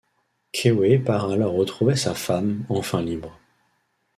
Keawe part alors retrouver sa femme, enfin libre.